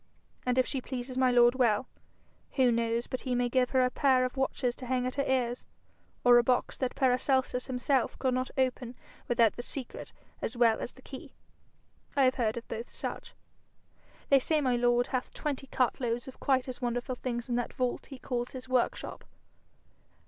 And if she pleases my lord well, who knows but he may give her a pair of watches to hang at her ears, or a box that Paracelsus himself could not open without the secret as well as the key? I have heard of both such. They say my lord hath twenty cartloads of quite as wonderful things in that vault he calls his workshop.